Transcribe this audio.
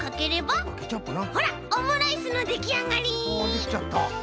できちゃった。